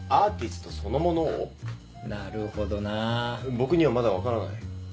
僕にはまだ分からない。